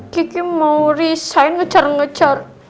kiki mau resign ngecer ngejar